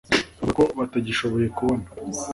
Bavuga ko batagishoboye kubona